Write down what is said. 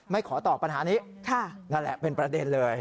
ขอตอบปัญหานี้นั่นแหละเป็นประเด็นเลย